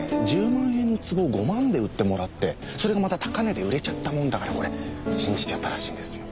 １０万円の壺を５万で売ってもらってそれがまた高値で売れちゃったもんだからこれ信じちゃったらしいんですよ。